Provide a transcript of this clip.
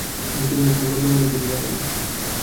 তিনি ছিলেন একজন গণ্যমান্য ধনী বাঙালি।